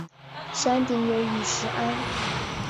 山顶有雨石庵。